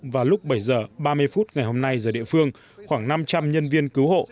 vào lúc bảy h ba mươi phút ngày hôm nay giờ địa phương khoảng năm trăm linh nhân viên cứu hộ